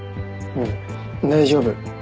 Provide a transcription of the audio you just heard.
うん大丈夫。